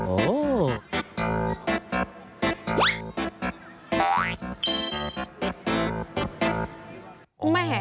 อุ้งไม่แห่